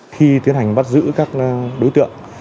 khi tiến hành bắt giữ các đối tượng